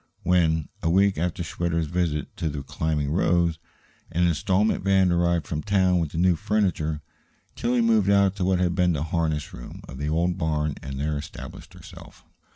When, a week after Schwitter's visit to the "Climbing Rose," an installment van arrived from town with the new furniture, Tillie moved out to what had been the harness room of the old barn and there established herself.